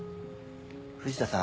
藤田さん